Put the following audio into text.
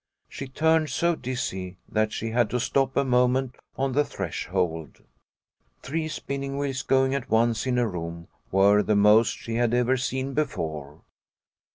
She turned so dizzy that she had to stop a moment on the threshold. Three spinning wheels going at once in a room were the most she had ever seen before.